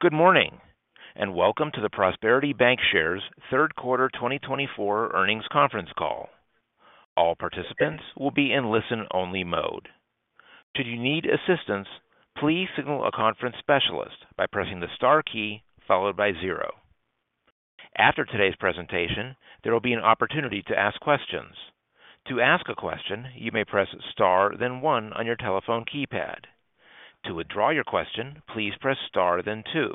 Good morning, and welcome to the Prosperity Bancshares Third Quarter 2024 Earnings Conference call. All participants will be in listen-only mode. Should you need assistance, please signal a conference specialist by pressing the star key followed by zero. After today's presentation, there will be an opportunity to ask questions. To ask a question, you may press star, then one on your telephone keypad. To withdraw your question, please press star, then two.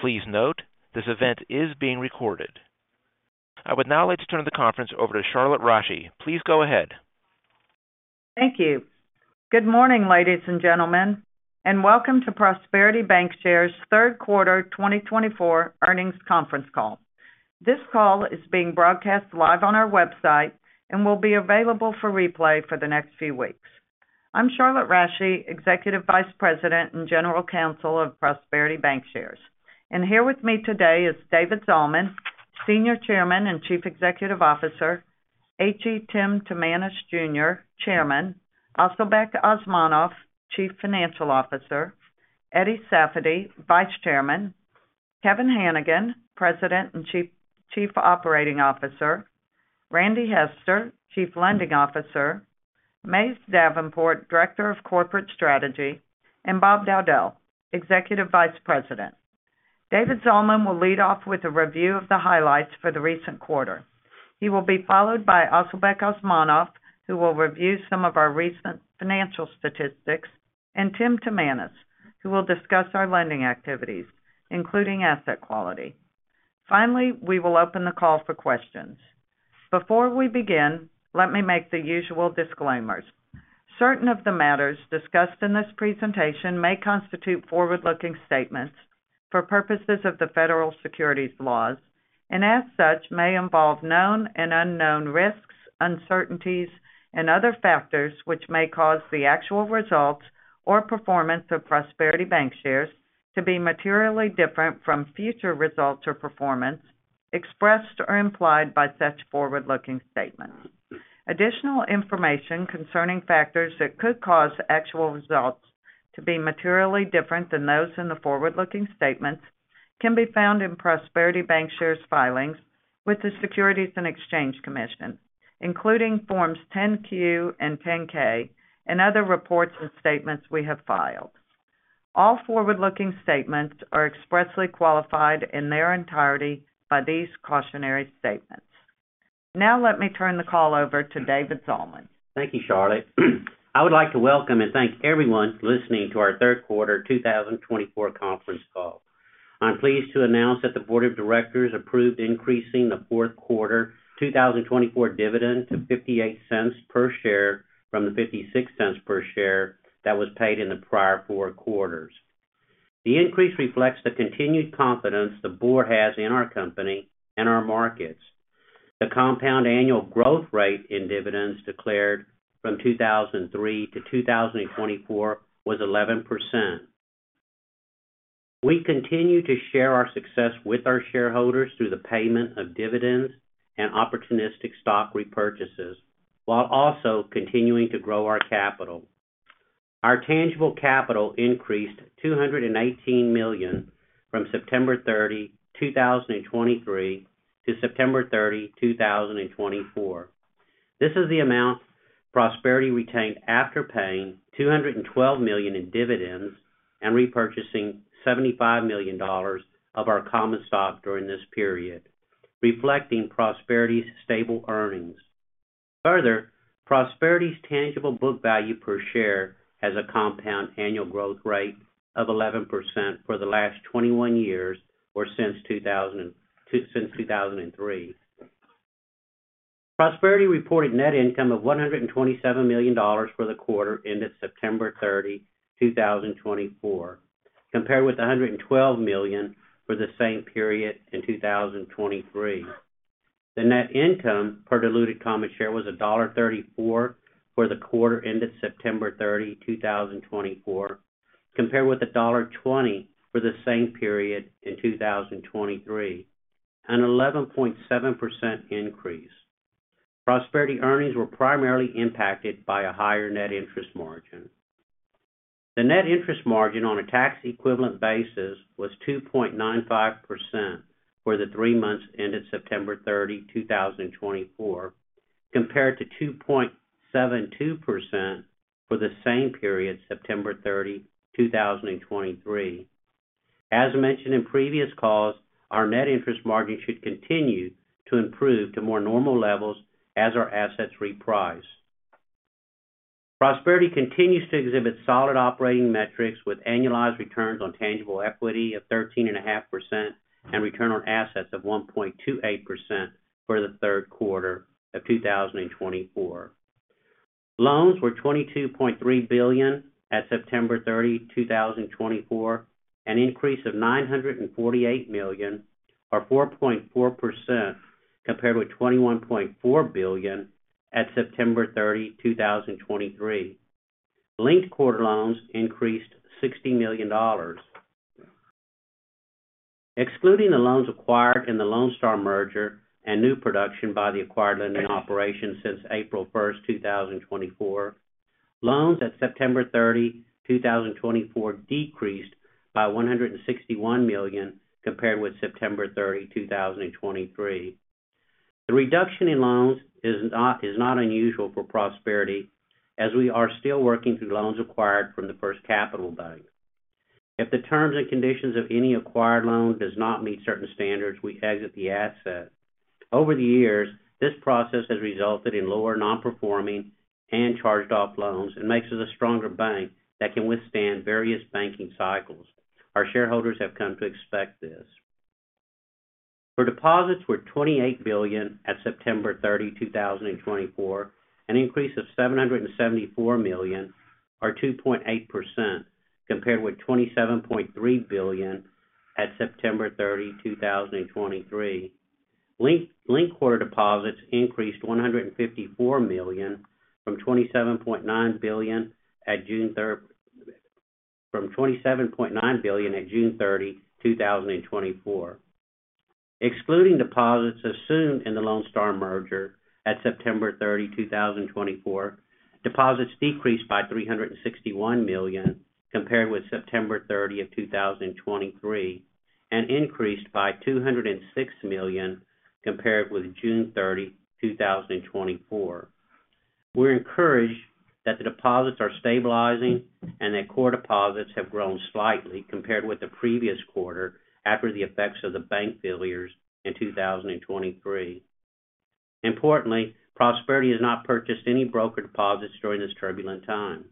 Please note, this event is being recorded. I would now like to turn the conference over to Charlotte Rasche. Please go ahead. Thank you. Good morning, ladies and gentlemen, and welcome to Prosperity Bancshares third quarter 2024 earnings conference call. This call is being broadcast live on our website and will be available for replay for the next few weeks. I'm Charlotte Rasche, Executive Vice President and General Counsel of Prosperity Bancshares. Here with me today is David Zalman, Senior Chairman and Chief Executive Officer, H.E. Timanus, Jr., Chairman, Asylbek Osmonov, Chief Financial Officer, Eddie Safady, Vice Chairman, Kevin Hanigan, President and Chief Operating Officer, Randy Hester, Chief Lending Officer, Mays Davenport, Director of Corporate Strategy, and Bob Dowdell, Executive Vice President. David Zalman will lead off with a review of the highlights for the recent quarter. He will be followed by Asylbek Osmonov, who will review some of our recent financial statistics, and Tim Timanus, who will discuss our lending activities, including asset quality. Finally, we will open the call for questions. Before we begin, let me make the usual disclaimers. Certain of the matters discussed in this presentation may constitute forward-looking statements for purposes of the federal securities laws and as such, may involve known and unknown risks, uncertainties, and other factors which may cause the actual results or performance of Prosperity Bancshares to be materially different from future results or performance expressed or implied by such forward-looking statements. Additional information concerning factors that could cause actual results to be materially different than those in the forward-looking statements can be found in Prosperity Bancshares' filings with the Securities and Exchange Commission, including Forms 10-Q and 10-K, and other reports and statements we have filed. All forward-looking statements are expressly qualified in their entirety by these cautionary statements. Now, let me turn the call over to David Zalman. Thank you, Charlotte. I would like to welcome and thank everyone for listening to our third quarter 2024 conference call. I'm pleased to announce that the board of directors approved increasing the fourth quarter 2024 dividend to $0.58 per share from the $0.56 per share that was paid in the prior four quarters. The increase reflects the continued confidence the board has in our company and our markets. The compound annual growth rate in dividends declared from 2003 to 2024 was 11%. We continue to share our success with our shareholders through the payment of dividends and opportunistic stock repurchases, while also continuing to grow our capital. Our tangible capital increased $218 million from September 30, 2023 to September 30, 2024. This is the amount Prosperity retained after paying $212 million in dividends and repurchasing $75 million of our common stock during this period, reflecting Prosperity's stable earnings. Further, Prosperity's tangible book value per share has a compound annual growth rate of 11% for the last 21 years or since 2003. Prosperity reported net income of $127 million for the quarter ended September 30, 2024, compared with $112 million for the same period in 2023. The net income per diluted common share was $1.34 for the quarter ended September 30, 2024, compared with $1.20 for the same period in 2023, an 11.7% increase. Prosperity earnings were primarily impacted by a higher net interest margin. The net interest margin on a tax equivalent basis was 2.95% for the three months ended September 30, 2024, compared to 2.72% for the same period, September 30, 2023. As mentioned in previous calls, our net interest margin should continue to improve to more normal levels as our assets reprice. Prosperity continues to exhibit solid operating metrics, with annualized returns on tangible equity of 13.5% and return on assets of 1.28% for the third quarter of 2024. Loans were $22.3 billion at September 30, 2024, an increase of $948 million, or 4.4% compared with $21.4 billion at September 30, 2023. Linked quarter loans increased $60 million. Excluding the loans acquired in the Lone Star merger and new production by the acquired lending operations since April 1, 2024, loans at September 30, 2024, decreased by $161 million compared with September 30, 2023. The reduction in loans is not, is not unusual for Prosperity, as we are still working through loans acquired from the First Capital Bank. If the terms and conditions of any acquired loan does not meet certain standards, we exit the asset. Over the years, this process has resulted in lower non-performing and charged-off loans and makes us a stronger bank that can withstand various banking cycles. Our shareholders have come to expect this. Our deposits were $28 billion at September 30, 2024, an increase of $774 million, or 2.8%, compared with $27.3 billion at September 30, 2023. Linked-quarter deposits increased $154 million from $27.9 billion at June 30, 2024. Excluding deposits assumed in the Lone Star merger at September 30, 2024, deposits decreased by $361 million compared with September 30, 2023, and increased by $206 million compared with June 30, 2024. We're encouraged that the deposits are stabilizing and that core deposits have grown slightly compared with the previous quarter after the effects of the bank failures in 2023. Importantly, Prosperity has not purchased any broker deposits during this turbulent time.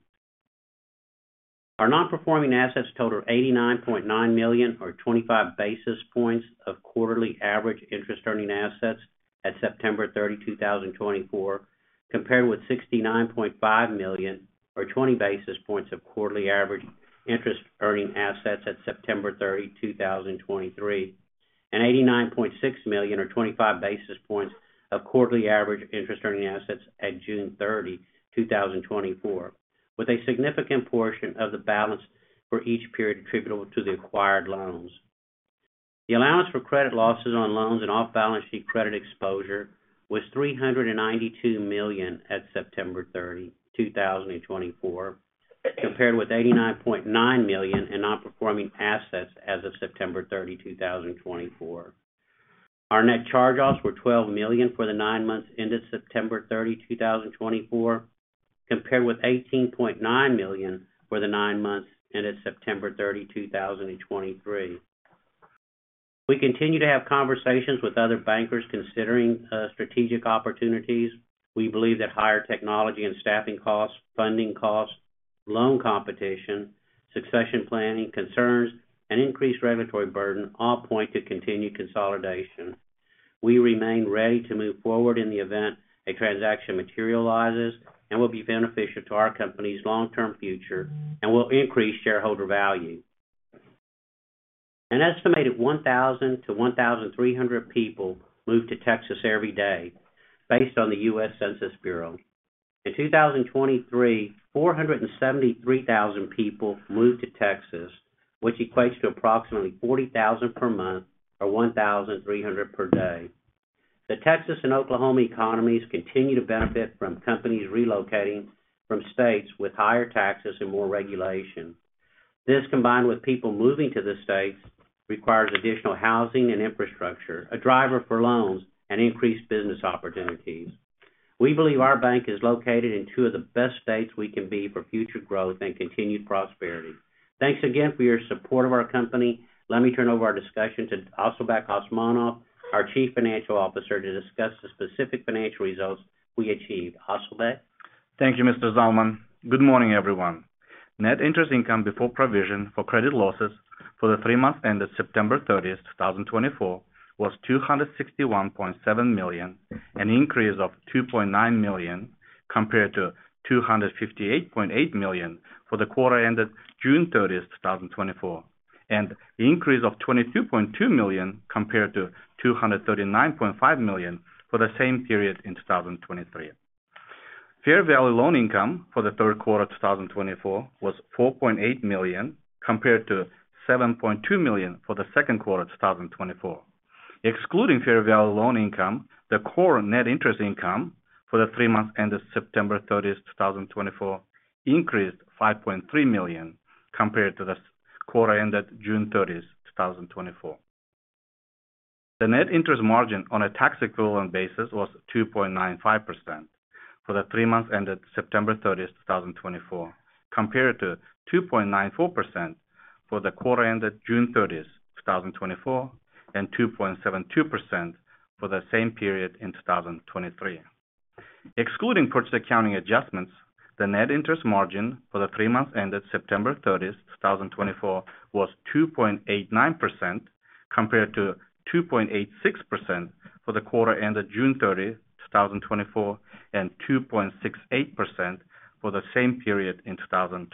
Our non-performing assets totaled $89.9 million, or 25 basis points of quarterly average interest-earning assets at September 30, 2024, compared with $69.5 million, or 20 basis points of quarterly average interest-earning assets at September 30, 2023, and $89.6 million, or 25 basis points of quarterly average interest-earning assets at June 30, 2024, with a significant portion of the balance for each period attributable to the acquired loans. The allowance for credit losses on loans and off-balance sheet credit exposure was $392 million at September 30, 2024, compared with $89.9 million in non-performing assets as of September 30, 2024. Our net charge-offs were twelve million for the nine months ended September thirty, two thousand and twenty-four, compared with eighteen point nine million for the nine months ended September thirty, two thousand and twenty-three. We continue to have conversations with other bankers considering strategic opportunities. We believe that higher technology and staffing costs, funding costs, loan competition, succession planning concerns, and increased regulatory burden all point to continued consolidation. We remain ready to move forward in the event a transaction materializes and will be beneficial to our company's long-term future and will increase shareholder value. An estimated one thousand to one thousand three hundred people move to Texas every day, based on the U.S. Census Bureau. In two thousand and twenty-three, four hundred and seventy-three thousand people moved to Texas, which equates to approximately forty thousand per month, or one thousand three hundred per day. The Texas and Oklahoma economies continue to benefit from companies relocating from states with higher taxes and more regulation. This, combined with people moving to the states, requires additional housing and infrastructure, a driver for loans and increased business opportunities. We believe our bank is located in two of the best states we can be for future growth and continued prosperity. Thanks again for your support of our company. Let me turn over our discussion to Asylbek Osmonov, our Chief Financial Officer, to discuss the specific financial results we achieved. Asylbek? Thank you, Mr. Zalman. Good morning, everyone. Net interest income before provision for credit losses for the three months ended September thirtieth, two thousand and twenty-four, was $261.7 million, an increase of $2.9 million compared to $258.8 million for the quarter ended June thirtieth, two thousand and twenty-four, and an increase of $22.2 million compared to $239.5 million for the same period in two thousand and twenty-three. Fair value loan income for the third quarter of two thousand and twenty-four was $4.8 million, compared to $7.2 million for the second quarter of two thousand and twenty-four. Excluding fair value loan income, the core net interest income for the three months ended September thirtieth, two thousand and twenty-four, increased $5.3 million compared to the quarter ended June thirtieth, two thousand and twenty-four. The net interest margin on a tax equivalent basis was 2.95% for the three months ended September thirtieth, two thousand and twenty-four, compared to 2.94% for the quarter ended June thirtieth, two thousand and twenty-four, and 2.72% for the same period in two thousand and twenty-three. Excluding purchase accounting adjustments, the net interest margin for the three months ended September thirtieth, two thousand and twenty-four, was 2.89%, compared to 2.86% for the quarter ended June thirtieth, two thousand and twenty-four, and 2.68% for the same period in two thousand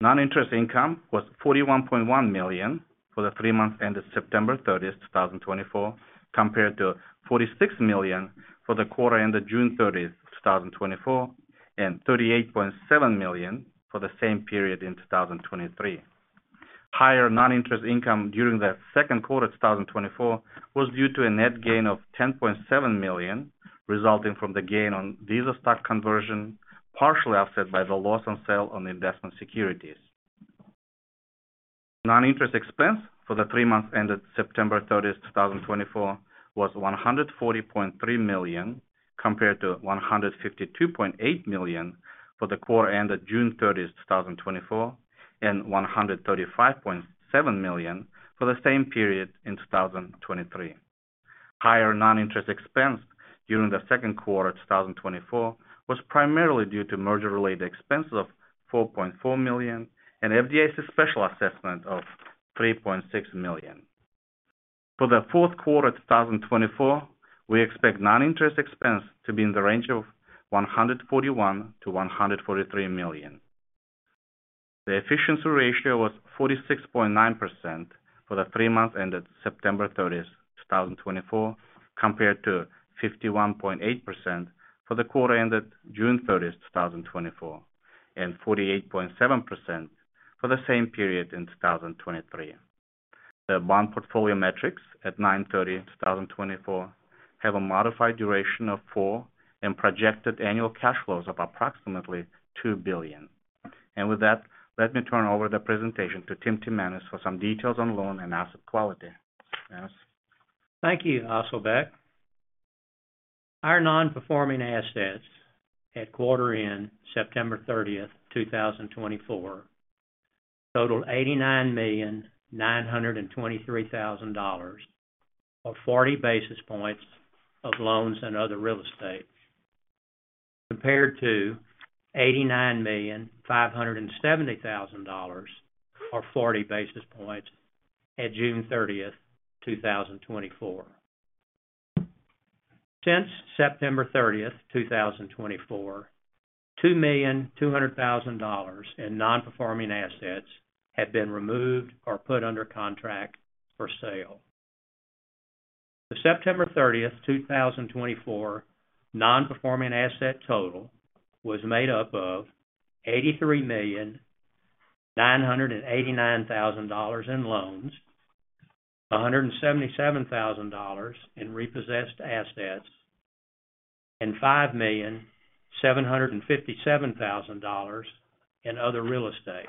and twenty-three. Non-interest income was $41.1 million for the three months ended September thirtieth, two thousand and twenty-four, compared to $46 million for the quarter ended June thirtieth, two thousand and twenty-four, and $38.7 million for the same period in two thousand and twenty-three. Higher non-interest income during the second quarter of two thousand twenty-four was due to a net gain of $10.7 million, resulting from the gain on Visa stock conversion, partially offset by the loss on sale of investment securities. Non-interest expense for the three months ended September thirtieth, two thousand twenty-four, was $140.3 million, compared to $152.8 million for the quarter ended June thirtieth, two thousand twenty-four, and $135.7 million for the same period in two thousand twenty-three. Higher non-interest expense during the second quarter of two thousand twenty-four was primarily due to merger-related expenses of $4.4 million and FDIC special assessment of $3.6 million. For the fourth quarter of two thousand twenty-four, we expect non-interest expense to be in the range of $141-$143 million. The efficiency ratio was 46.9% for the three months ended September thirtieth, two thousand twenty-four, compared to 51.8% for the quarter ended June thirtieth, two thousand twenty-four, and 48.7% for the same period in two thousand twenty-three. The bond portfolio metrics at nine thirty, two thousand twenty-four, have a modified duration of four and projected annual cash flows of approximately $2 billion. And with that, let me turn over the presentation to Tim Timanus for some details on loan and asset quality. Timanus? Thank you, Asylbek. Our non-performing assets at quarter end, September thirtieth, two thousand twenty-four, totaled $89,923,000, or forty basis points of loans and other real estate, compared to $89,570,000, or forty basis points at June thirtieth, two thousand twenty-four. Since September thirtieth, two thousand twenty-four, $2,200,000 in non-performing assets have been removed or put under contract for sale. The September thirtieth, two thousand twenty-four, non-performing asset total was made up of $83,989,000 in loans, $177,000 in repossessed assets, and $5,757,000 in other real estate.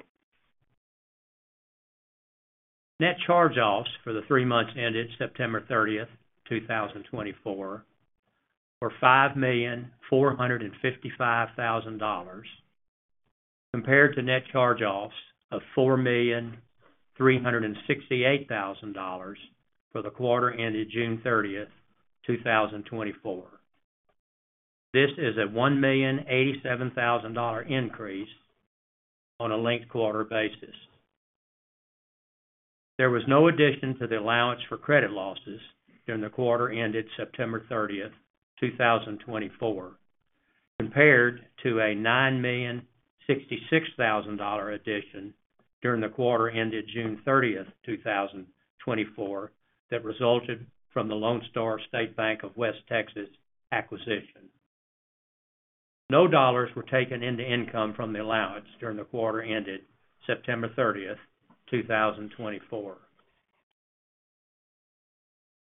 Net charge-offs for the three months ended September 30th, 2024, were $5,455,000, compared to net charge-offs of $4,368,000 for the quarter ended June 30th, 2024. This is a $1,087,000 increase on a linked quarter basis. There was no addition to the allowance for credit losses during the quarter ended September 30th, 2024, compared to a $9,066,000 addition during the quarter ended June 30th, 2024, that resulted from the Lone Star State Bank of West Texas acquisition. No dollars were taken into income from the allowance during the quarter ended September 30th, 2024.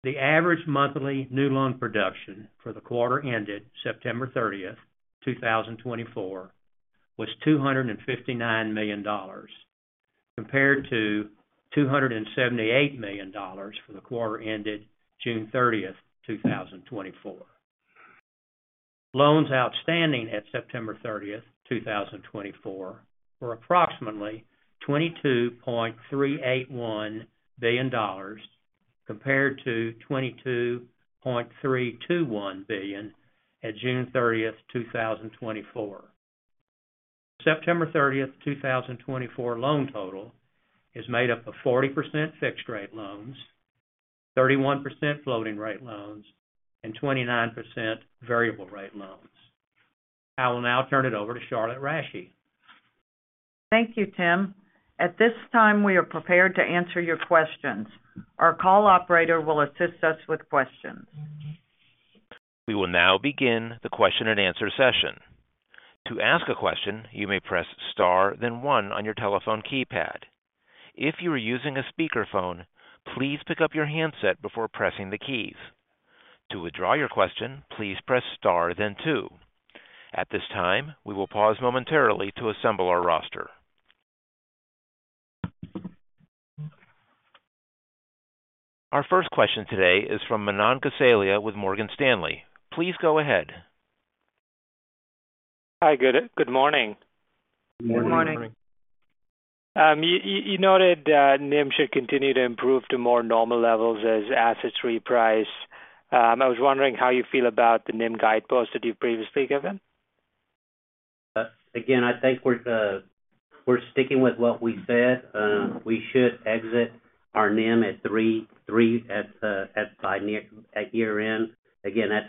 The average monthly new loan production for the quarter ended September thirtieth, two thousand twenty-four, was $259 million, compared to $278 million for the quarter ended June thirtieth, two thousand twenty-four. Loans outstanding at September thirtieth, two thousand twenty-four, were approximately $22.381 billion, compared to $22.321 billion at June thirtieth, two thousand twenty-four. September thirtieth, two thousand twenty-four, loan total is made up of 40% fixed rate loans, 31% floating rate loans, and 29% variable rate loans. I will now turn it over to Charlotte Rasche. Thank you, Tim. At this time, we are prepared to answer your questions. Our call operator will assist us with questions. We will now begin the question and answer session. To ask a question, you may press star then one on your telephone keypad. If you are using a speakerphone, please pick up your handset before pressing the keys. To withdraw your question, please press star then two. At this time, we will pause momentarily to assemble our roster. Our first question today is from Manan Gosalia with Morgan Stanley. Please go ahead. Hi, good morning. Good morning. Good morning. You noted that NIM should continue to improve to more normal levels as assets reprice. I was wondering how you feel about the NIM guidepost that you've previously given? Again, I think we're sticking with what we said. We should exit our NIM at three at by near year-end. Again, that's.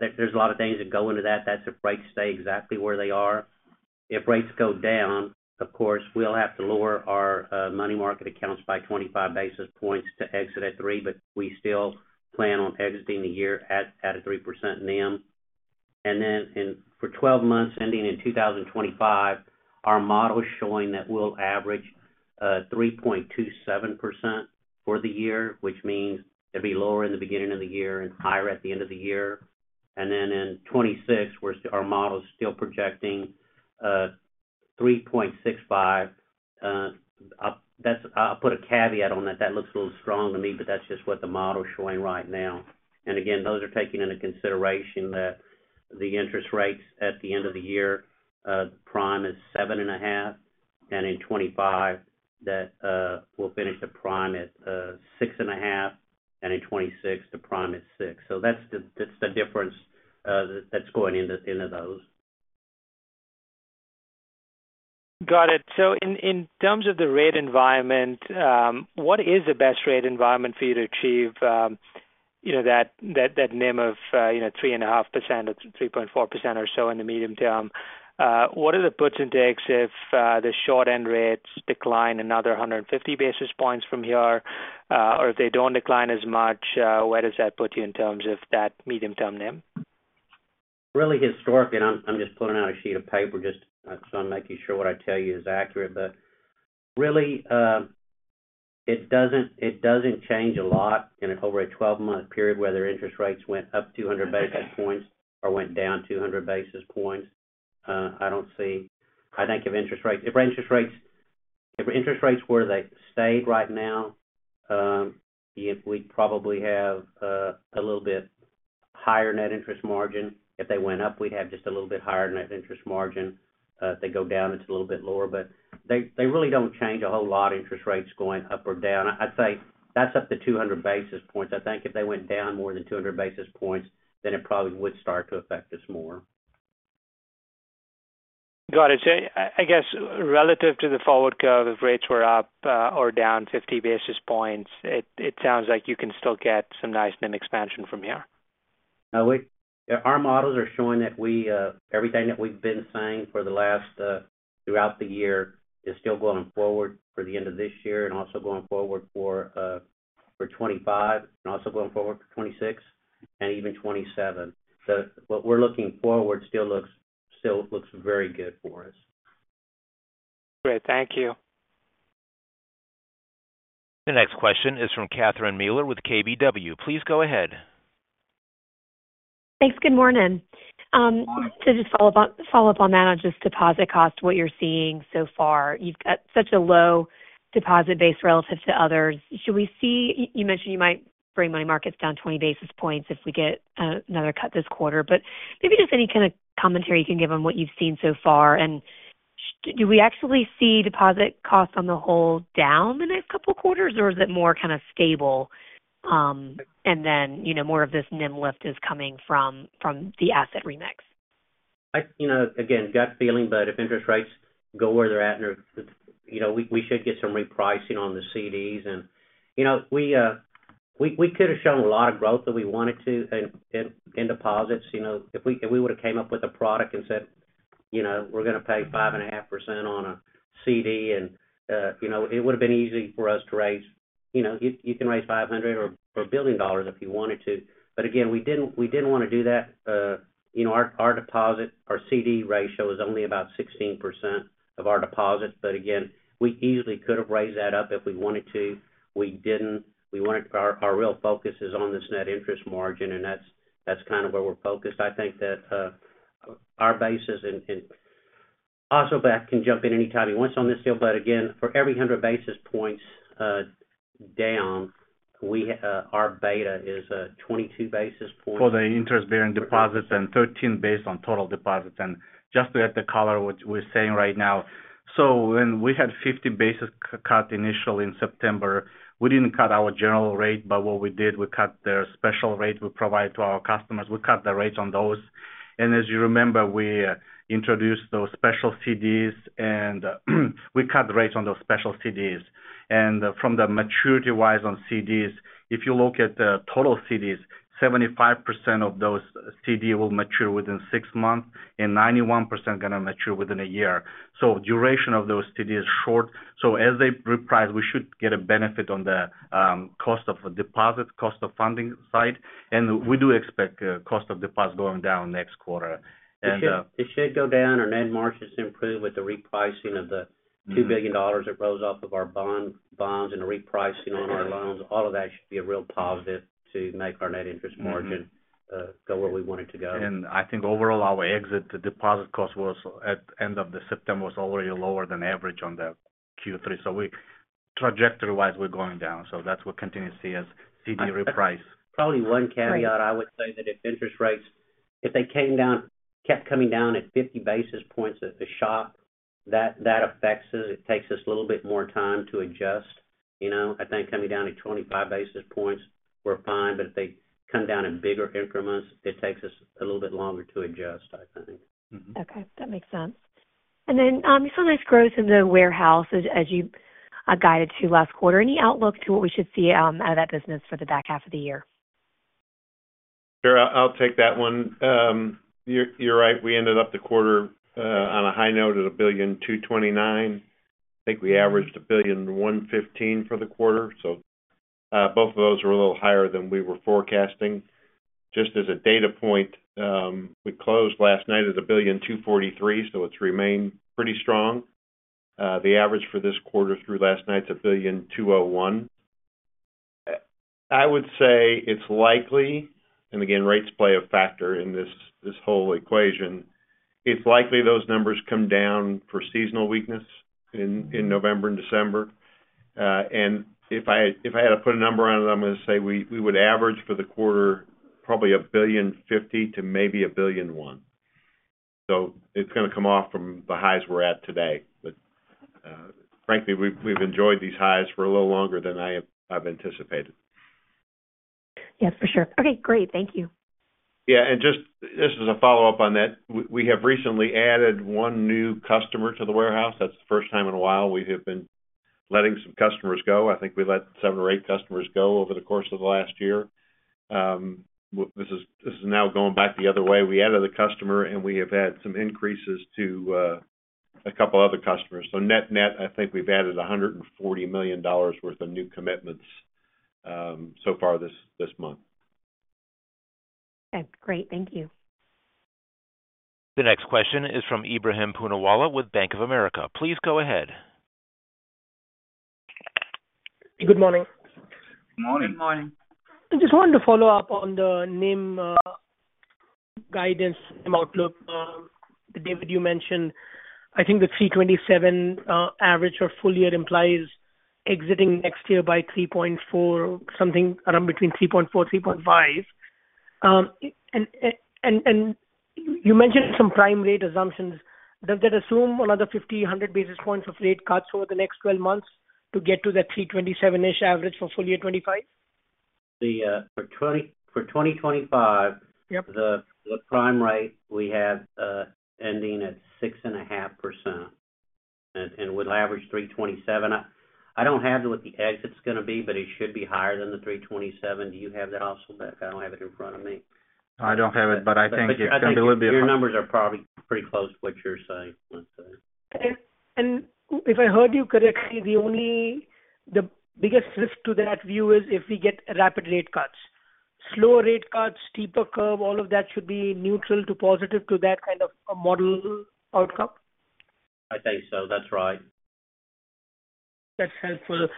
There's a lot of things that go into that. That's if rates stay exactly where they are. If rates go down, of course, we'll have to lower our money market accounts by twenty-five basis points to exit at three, but we still plan on exiting the year at a 3% NIM. Then in, for twelve months ending in 2025, our model is showing that we'll average 3.27% for the year, which means it'll be lower in the beginning of the year and higher at the end of the year. Then in 2026, our model is still projecting 3.65%. I'll put a caveat on that. That looks a little strong to me, but that's just what the model is showing right now. And again, those are taking into consideration the interest rates at the end of the year. Prime is 7.5, and in 2025, we'll finish the prime at 6.5, and in 2026, the prime is 6. So that's the difference that's going into those. Got it. So in terms of the rate environment, what is the best rate environment for you to achieve, you know, that NIM of 3.5% or 3.4% or so in the medium term? What are the puts and takes if the short-end rates decline another 150 basis points from here, or if they don't decline as much, where does that put you in terms of that medium-term NIM? Really historically, and I'm just pulling out a sheet of paper just so I'm making sure what I tell you is accurate, but really, it doesn't change a lot in over a twelve-month period, whether interest rates went up two hundred basis points or went down two hundred basis points. I don't see... I think if interest rates were to stay right now, if we'd probably have a little bit higher net interest margin. If they went up, we'd have just a little bit higher net interest margin. If they go down, it's a little bit lower, but they really don't change a whole lot, interest rates going up or down. I'd say that's up to two hundred basis points. I think if they went down more than 200 basis points, then it probably would start to affect us more. Got it. So I guess relative to the forward curve, if rates were up or down 50 basis points, it sounds like you can still get some nice NIM expansion from here. Our models are showing that we, everything that we've been saying for the last, throughout the year is still going forward for the end of this year and also going forward for twenty-five, and also going forward for twenty-six and even twenty-seven. So what we're looking forward still looks very good for us. Great. Thank you. The next question is from Catherine Mealor with KBW. Please go ahead. Thanks. Good morning. To just follow up on that, on just deposit cost, what you're seeing so far. You've got such a low deposit base relative to others. Should we see, you mentioned you might bring money markets down 20 basis points if we get another cut this quarter, but maybe just any kind of commentary you can give on what you've seen so far. And do we actually see deposit costs on the whole down the next couple of quarters, or is it more kind of stable, and then, you know, more of this NIM lift is coming from the asset remix? I, you know, again, gut feeling, but if interest rates go where they're at, and, you know, we should get some repricing on the CDs. And, you know, we could have shown a lot of growth if we wanted to in deposits, you know, if we would have came up with a product and said, you know, we're gonna pay 5.5% on a CD, and, you know, it would have been easy for us to raise. You know, you can raise 500 or $1 billion if you wanted to. But again, we didn't want to do that. You know, our deposit, our CD ratio is only about 16% of our deposits. But again, we easily could have raised that up if we wanted to. We didn't. Our real focus is on this net interest margin, and that's kind of where we're focused. I think that our basis and Asylbek Osmonov can jump in anytime he wants on this deal, but again, for every hundred basis points down, our beta is twenty-two basis points. For the interest-bearing deposits and 13 based on total deposits. And just to add the color, which we're saying right now. So when we had 50 basis cut initially in September, we didn't cut our general rate, but what we did, we cut the special rate we provide to our customers. We cut the rates on those, and as you remember, we introduced those special CDs, and we cut the rates on those special CDs. And from the maturity-wise on CDs, if you look at the total CDs, 75% of those CD will mature within six months, and 91% gonna mature within a year. So duration of those CD is short. So as they reprice, we should get a benefit on the cost of deposit, cost of funding side. And we do expect cost of deposits going down next quarter. And It should, it should go down. Our net margins improve with the repricing of the- Mm-hmm. -$2 billion that rose off of our bonds and repricing on our loans. All of that should be a real positive to make our net interest margin- Mm-hmm... go where we want it to go. I think overall, our exit deposit cost was at the end of September, was already lower than average on the Q3. So we, trajectory-wise, we're going down, so that's what we continue to see as CD reprice. Probably one caveat I would say that if interest rates, if they came down, kept coming down at fifty basis points at the top, that affects us. It takes us a little bit more time to adjust. You know, I think coming down to twenty-five basis points, we're fine, but if they come down in bigger increments, it takes us a little bit longer to adjust, I think. Mm-hmm. Okay, that makes sense. And then, you saw nice growth in the warehouse as you guided to last quarter. Any outlook to what we should see, out of that business for the back half of the year? Sure. I, I'll take that one. You're, you're right, we ended up the quarter on a high note at $1.229 billion. I think we averaged $1.115 billion for the quarter, so-... both of those were a little higher than we were forecasting. Just as a data point, we closed last night at $1.243 billion, so it's remained pretty strong. The average for this quarter through last night is $1.201 billion. I would say it's likely, and again, rates play a factor in this whole equation. It's likely those numbers come down for seasonal weakness in November and December. And if I had to put a number on it, I'm gonna say we would average for the quarter, probably $1.05 billion to maybe $1.1 billion. So it's gonna come off from the highs we're at today. But frankly, we've enjoyed these highs for a little longer than I've anticipated. Yes, for sure. Okay, great. Thank you. Yeah, and just... This is a follow-up on that. We have recently added one new customer to the warehouse. That's the first time in a while. We have been letting some customers go. I think we let seven or eight customers go over the course of the last year. This is now going back the other way. We added a customer, and we have had some increases to a couple of other customers. So net-net, I think we've added $140 million worth of new commitments so far this month. Okay, great. Thank you. The next question is from Ibrahim Poonawala with Bank of America. Please go ahead. Good morning. Morning. Good morning. I just wanted to follow up on the NIM guidance outlook. David, you mentioned, I think the three twenty-seven average or full year implies exiting next year by three point four, something around between three point four, three point five. And you mentioned some prime rate assumptions. Does that assume another fifty, hundred basis points of rate cuts over the next twelve months to get to that three twenty-seven-ish average for full year 2025? For 2025- Yep. The prime rate, we have ending at 6.5%, and would average 3.27. I don't have what the exit's gonna be, but it should be higher than the 3.27. Do you have that, Asylbek? I don't have it in front of me. I don't have it, but I think it's gonna be a bit- Your numbers are probably pretty close to what you're saying, let's say. If I heard you correctly, the biggest risk to that view is if we get rapid rate cuts. Slower rate cuts, steeper curve, all of that should be neutral to positive to that kind of a model outcome? I think so. That's right. That's helpful.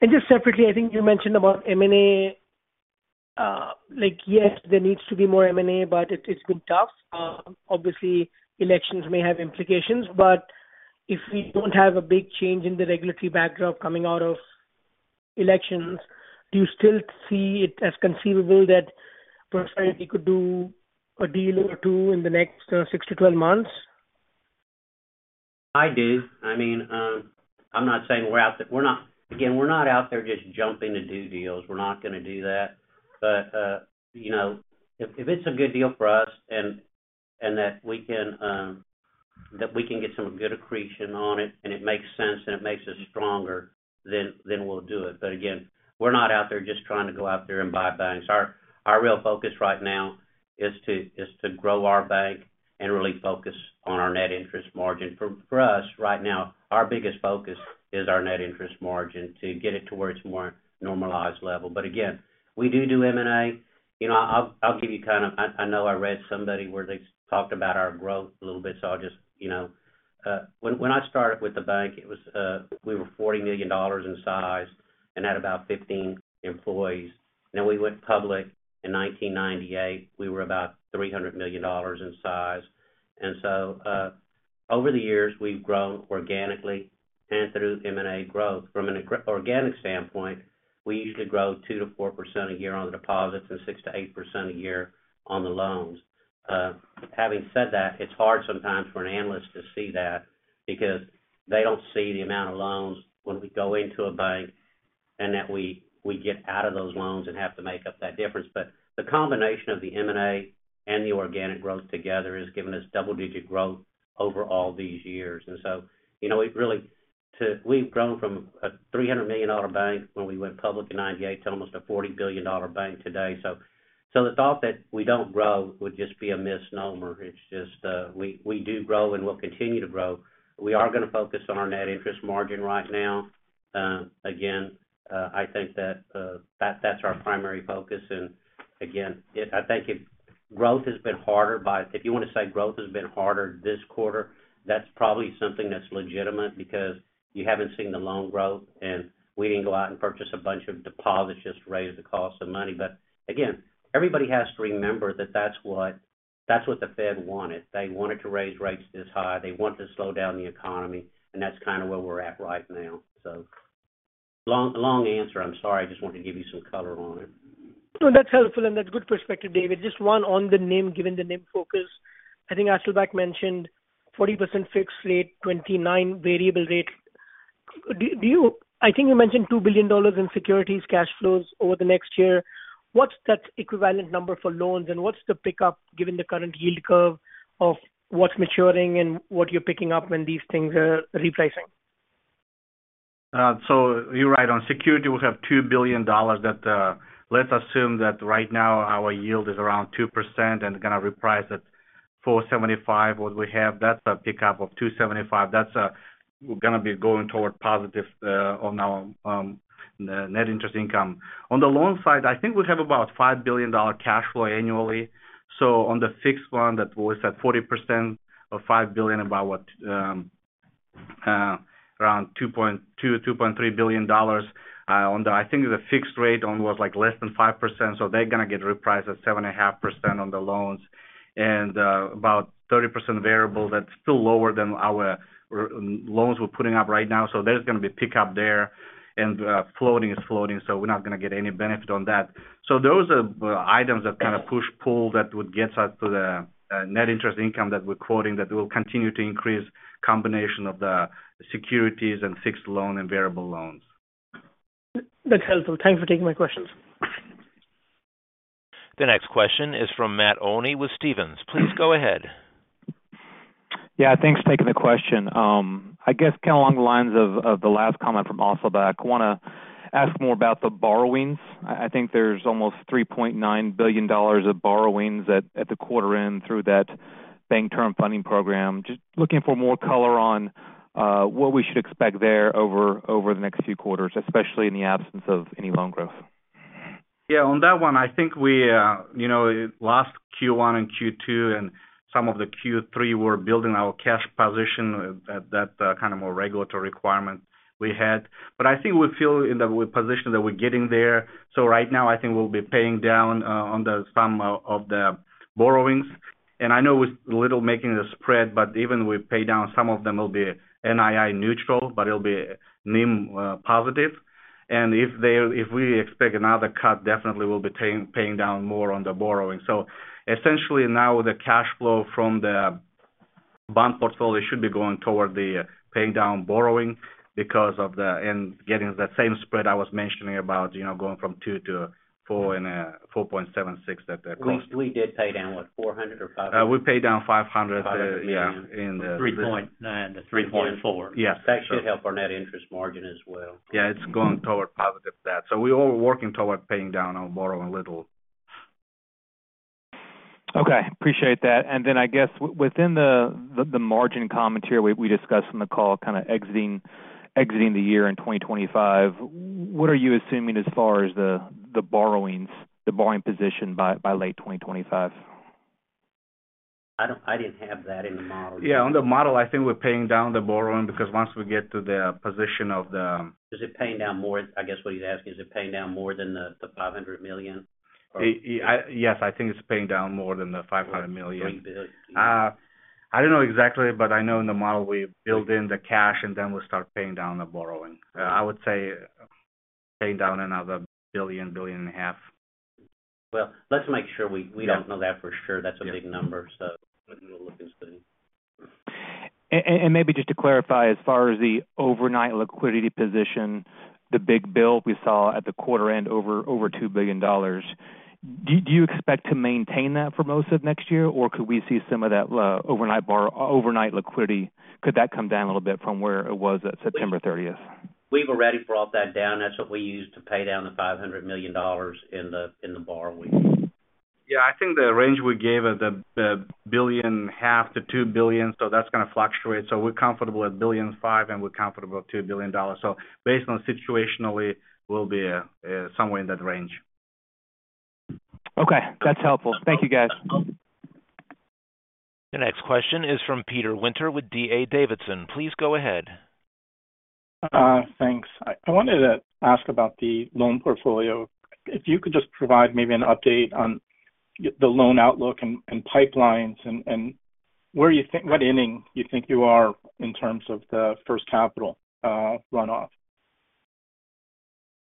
And just separately, I think you mentioned about M&A. Like, yes, there needs to be more M&A, but it, it's been tough. Obviously, elections may have implications, but if we don't have a big change in the regulatory backdrop coming out of elections, do you still see it as conceivable that First Horizon could do a deal or two in the next six to 12 months? I do. I mean, I'm not saying we're out there. We're not. Again, we're not out there just jumping to do deals. We're not gonna do that. But you know, if it's a good deal for us and that we can get some good accretion on it, and it makes sense, and it makes us stronger, then we'll do it. But again, we're not out there just trying to go out there and buy banks. Our real focus right now is to grow our bank and really focus on our net interest margin. For us, right now, our biggest focus is our net interest margin, to get it to where it's more normalized level. But again, we do M&A. You know, I'll give you kind of I know I read somebody where they talked about our growth a little bit, so I'll just, you know. When I started with the bank, it was we were $40 million in size and had about 15 employees. Then we went public in 1998, we were about $300 million in size. And so, over the years, we've grown organically and through M&A growth. From an organic standpoint, we usually grow 2%-4% a year on the deposits and 6%-8% a year on the loans. Having said that, it's hard sometimes for an analyst to see that because they don't see the amount of loans when we go into a bank and that we get out of those loans and have to make up that difference. But the combination of the M&A and the organic growth together has given us double-digit growth over all these years. And so, you know, it really, we've grown from a $300 million bank when we went public in 1998 to almost a $40 billion bank today. So the thought that we don't grow would just be a misnomer. It's just, we do grow and we'll continue to grow. We are gonna focus on our net interest margin right now. Again, I think that that's our primary focus. And again, I think growth has been harder by... If you want to say growth has been harder this quarter, that's probably something that's legitimate because you haven't seen the loan growth, and we didn't go out and purchase a bunch of deposits just to raise the cost of money. But again, everybody has to remember that that's what, that's what the Fed wanted. They wanted to raise rates this high. They want to slow down the economy, and that's kind of where we're at right now. So long, long answer. I'm sorry. I just wanted to give you some color on it. No, that's helpful, and that's good perspective, David. Just one on the NIM, given the NIM focus. I think Asylbek mentioned 40% fixed rate, 29% variable rate. Do you—I think you mentioned $2 billion in securities cash flows over the next year. What's that equivalent number for loans, and what's the pickup, given the current yield curve of what's maturing and what you're picking up when these things are repricing? So you're right. On securities, we have $2 billion that, let's assume that right now our yield is around 2% and gonna reprice it-... 4.75 what we have, that's a pickup of 2.75. That's, we're gonna be going toward positive, on our net interest income. On the loan side, I think we have about $5 billion dollar cash flow annually. So on the fixed one, that was at 40% of $5 billion, about around $2.2-$2.3 billion dollars. On the—I think the fixed rate on was like less than 5%, so they're gonna get repriced at 7.5% on the loans. And, about 30% variable, that's still lower than our, loans we're putting up right now. So there's gonna be pickup there, and, floating is floating, so we're not gonna get any benefit on that. So those are items that kind of push, pull, that would get us to the net interest income that we're quoting, that will continue to increase combination of the securities and fixed loan and variable loans. That's helpful. Thanks for taking my questions. The next question is from Matt Olney with Stephens. Please go ahead. Yeah, thanks for taking the question. I guess kind of along the lines of the last comment from Osmonov, I want to ask more about the borrowings. I think there's almost $3.9 billion of borrowings at the quarter end through that Bank Term Funding Program. Just looking for more color on what we should expect there over the next few quarters, especially in the absence of any loan growth. Yeah, on that one, I think we, you know, last Q1 and Q2 and some of the Q3, we're building our cash position at, at that, kind of more regulatory requirement we had. But I think we feel in the position that we're getting there. So right now, I think we'll be paying down, on some of the borrowings. And I know it's a little making the spread, but even we pay down, some of them will be NII neutral, but it'll be NIM, positive. And if we expect another cut, definitely we'll be paying down more on the borrowing. So essentially now the cash flow from the bond portfolio should be going toward the paying down borrowing because of the... Getting that same spread I was mentioning about, you know, going from two to four and four point seven six at the cost. We did pay down, what, $400 or $500? We paid down five hundred- $500 million. Yeah, in the- 3.9 to 3.4. Yeah. That should help our net interest margin as well. Yeah, it's going toward positive that. So we all working toward paying down on borrowing a little. Okay, appreciate that. And then I guess within the margin commentary we discussed on the call, kind of exiting the year in twenty twenty-five, what are you assuming as far as the borrowings, the borrowing position by late twenty twenty-five? I didn't have that in the model. Yeah, on the model, I think we're paying down the borrowing, because once we get to the position of the- Is it paying down more? I guess what he's asking, is it paying down more than the, the $500 million? Yes, I think it's paying down more than the $500 million. Three billion. I don't know exactly, but I know in the model we build in the cash, and then we start paying down the borrowing. I would say paying down another $1 billion-$1.5 billion. Let's make sure we- Yeah. We don't know that for sure. Yeah. That's a big number, so we'll look into it. Maybe just to clarify, as far as the overnight liquidity position, the big build we saw at the quarter end, over $2 billion. Do you expect to maintain that for most of next year, or could we see some of that overnight liquidity come down a little bit from where it was at September thirtieth? We've already brought that down. That's what we used to pay down the $500 million in the borrowing. Yeah, I think the range we gave is $1.5 billion-$2 billion, so that's gonna fluctuate. So we're comfortable at $1.5 billion, and we're comfortable at $2 billion. So based on the situation, we'll be somewhere in that range. Okay, that's helpful. Thank you, guys. The next question is from Peter Winter with D.A. Davidson. Please go ahead. Thanks. I wanted to ask about the loan portfolio. If you could just provide maybe an update on the loan outlook and pipelines and where you think what inning you think you are in terms of the First Capital runoff?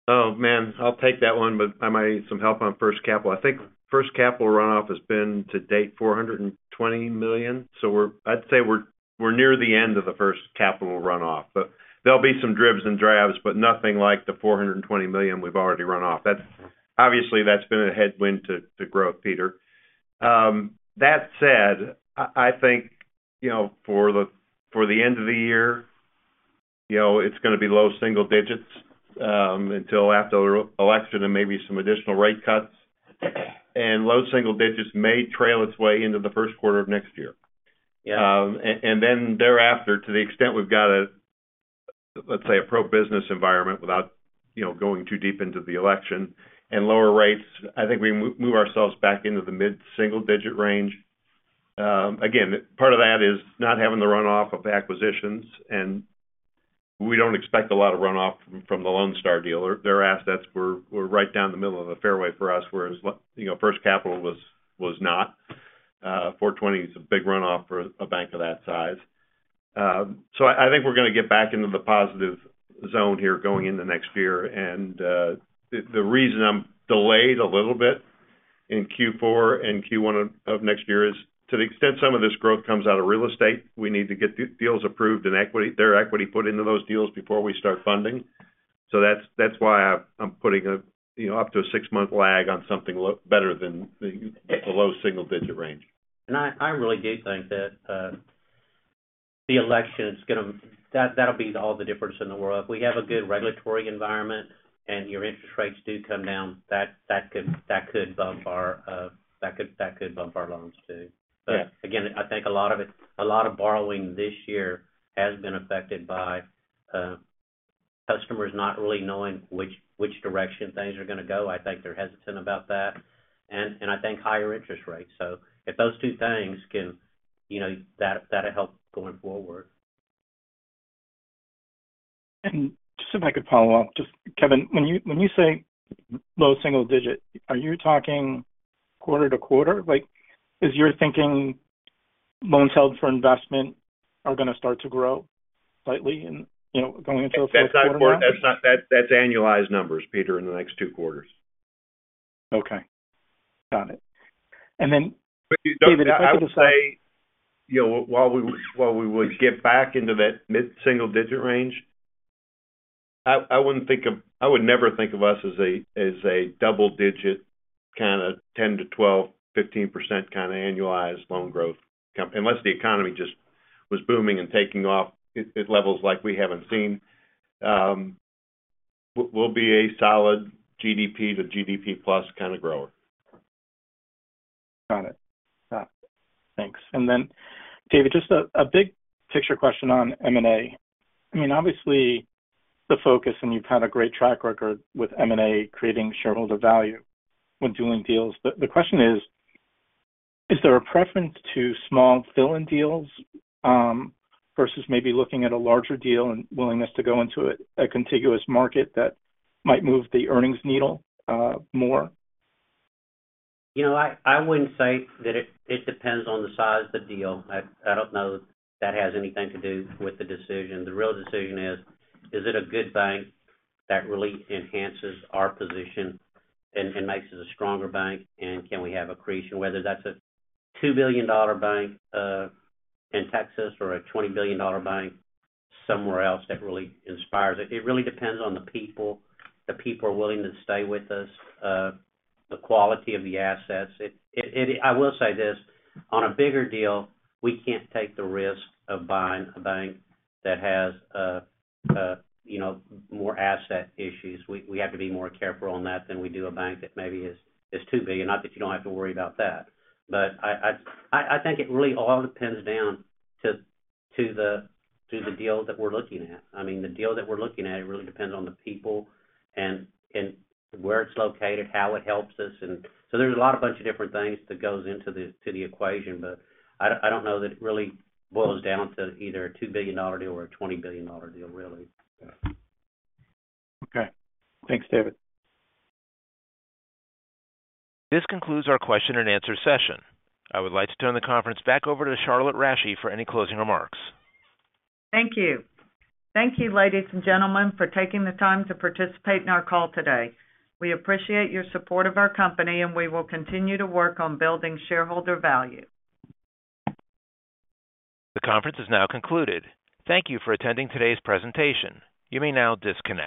Oh, man, I'll take that one, but I might need some help on First Capital. I think First Capital runoff has been to date $420 million. So we're. I'd say we're near the end of the First Capital runoff. But there'll be some dribs and drabs, but nothing like the $420 million we've already run off. That's obviously, that's been a headwind to growth, Peter. That said, I think, you know, for the end of the year, you know, it's gonna be low single digits until after the election and maybe some additional rate cuts. And low single digits may trail its way into the first quarter of next year. Yeah. And then thereafter, to the extent we've got a, let's say, a pro-business environment without, you know, going too deep into the election and lower rates, I think we move ourselves back into the mid-single digit range. Again, part of that is not having the runoff of acquisitions, and we don't expect a lot of runoff from the Lone Star deal. Their assets were right down the middle of the fairway for us, whereas, you know, First Capital was not. Four twenty is a big runoff for a bank of that size. So I think we're gonna get back into the positive zone here going into next year. The reason I'm delayed a little bit in Q4 and Q1 of next year is, to the extent some of this growth comes out of real estate, we need to get deals approved and their equity put into those deals before we start funding. That's why I'm putting, you know, up to a six-month lag on something better than the low single digit range. And I really do think that the election, it's gonna, that'll be all the difference in the world. If we have a good regulatory environment and your interest rates do come down, that could bump our loans, too. But again, I think a lot of it, a lot of borrowing this year has been affected by customers not really knowing which direction things are gonna go. I think they're hesitant about that, and I think higher interest rates. So if those two things can, you know, that'll help going forward. Just if I could follow up. Just, Kevin, when you say low single digit, are you talking quarter to quarter? Like, is your thinking loans held for investment are gonna start to grow slightly in, you know, going into the fourth quarter now? That's annualized numbers, Peter, in the next two quarters. Okay. Got it. And then, David, if I could just- I would say, you know, while we would get back into that mid-single digit range, I wouldn't think of. I would never think of us as a, as a double digit, kinda 10-12, 15% kinda annualized loan growth comp, unless the economy just was booming and taking off at levels like we haven't seen. We'll be a solid GDP to GDP-plus kinda grower. Got it. Got it. Thanks. And then, David, just a big picture question on M&A. I mean, obviously, the focus, and you've had a great track record with M&A, creating shareholder value when doing deals. But the question is: Is there a preference to small fill-in deals versus maybe looking at a larger deal and willingness to go into a contiguous market that might move the earnings needle more? You know, I wouldn't say that it depends on the size of the deal. I don't know if that has anything to do with the decision. The real decision is, is it a good bank that really enhances our position and makes us a stronger bank, and can we have accretion? Whether that's a $2 billion bank in Texas, or a $20 billion bank somewhere else that really inspires it. It really depends on the people willing to stay with us, the quality of the assets. I will say this, on a bigger deal, we can't take the risk of buying a bank that has, you know, more asset issues. We have to be more careful on that than we do a bank that maybe is $2 billion. Not that you don't have to worry about that. But I think it really all pins down to the deal that we're looking at. I mean, the deal that we're looking at, it really depends on the people and where it's located, how it helps us. And so there's a lot of bunch of different things that goes into the equation, but I don't know that it really boils down to either a $2 billion deal or a $20 billion deal, really. Okay. Thanks, David. This concludes our question and answer session. I would like to turn the conference back over to Charlotte Rasche for any closing remarks. Thank you. Thank you, ladies and gentlemen, for taking the time to participate in our call today. We appreciate your support of our company, and we will continue to work on building shareholder value. The conference is now concluded. Thank you for attending today's presentation. You may now disconnect.